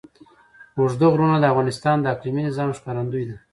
اوږده غرونه د افغانستان د اقلیمي نظام ښکارندوی ده.